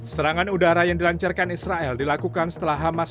serangan udara yang dilancarkan israel dilakukan setelah hamas